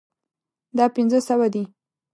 دا پنځه سوه دي